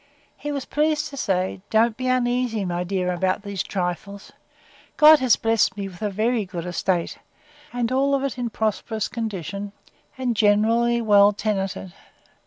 He was pleased to say, Don't be uneasy, my dear, about these trifles: God has blessed me with a very good estate, and all of it in a prosperous condition, and generally well tenanted.